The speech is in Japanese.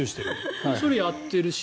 それやってるし。